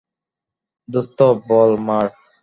দোস্ত, বল মার।